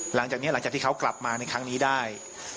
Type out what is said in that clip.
หลังจากนี้หลังจากที่เขากลับมาในครั้งนี้ได้